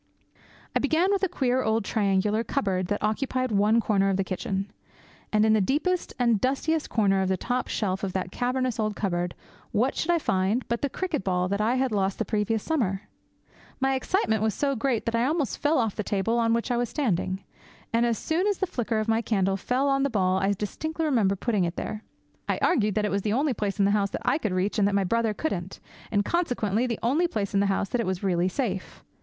I began with a queer old triangular cupboard that occupied one corner of the kitchen. And in the deepest and dustiest corner of the top shelf of that cavernous old cupboard, what should I find but the cricket ball that I had lost the previous summer? My excitement was so great that I almost fell off the table on which I was standing. As soon as the flicker of my candle fell on the ball I distinctly remembered putting it there. I argued that it was the only place in the house that I could reach, and that my brother couldn't, and consequently the only place in the house that was really safe.